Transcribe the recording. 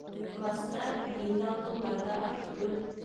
Класта миҙаллылар ҙа аҙ түгел.